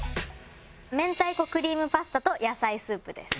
明太子クリームパスタと野菜スープです。